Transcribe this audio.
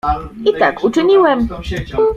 "I tak uczyniłem."